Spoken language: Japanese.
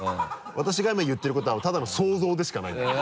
私が今言ってることはただの想像でしかないんだけど。